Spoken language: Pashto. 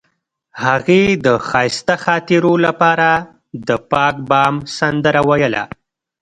هغې د ښایسته خاطرو لپاره د پاک بام سندره ویله.